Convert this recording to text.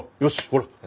ほら。